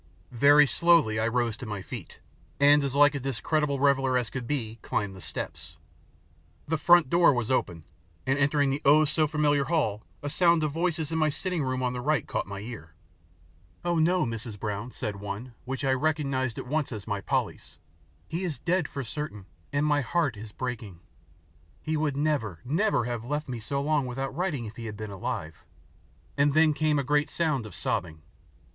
Very slowly I rose to my feet, and as like a discreditable reveller as could be, climbed the steps. The front door was open, and entering the oh, so familiar hall a sound of voices in my sitting room on the right caught my ear. "Oh no, Mrs. Brown," said one, which I recognised at once as my Polly's, "he is dead for certain, and my heart is breaking. He would never, never have left me so long without writing if he had been alive," and then came a great sound of sobbing.